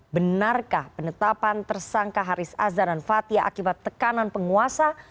benarkah penetapan tersangka haris azhar dan fathia akibat tekanan penguasa